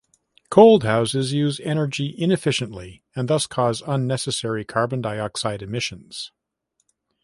Cold houses use energy inefficiently and thus cause unnecessary carbon dioxide emissions.